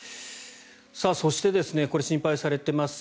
そして、心配されています